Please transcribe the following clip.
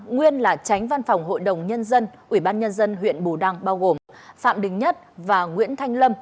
nguyên là tránh văn phòng hội đồng nhân dân ủy ban nhân dân huyện bù đăng bao gồm phạm đình nhất và nguyễn thanh lâm